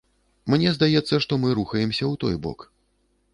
Мне здаецца, што мы рухаемся ў той бок.